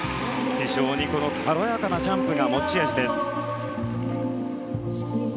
非常に軽やかなジャンプが持ち味です。